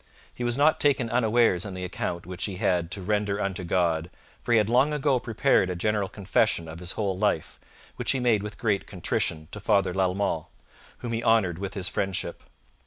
He was not taken unawares in the account which he had to render unto God, for he had long ago prepared a general Confession of his whole life, which he made with great contrition to Father Lalemant, whom he honoured with his friendship.